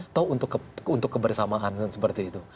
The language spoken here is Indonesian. atau untuk kebersamaan seperti itu